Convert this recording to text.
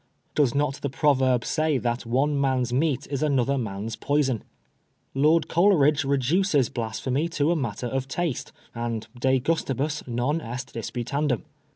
Does not the proverb say that one man's meat Is another man's poison ? Lord Coleridge reduces Blas phemy to a matter of taste, and de giistibua non estdis putandum.